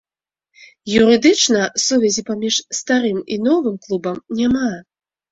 Юрыдычна сувязі паміж старым і новым клубам няма.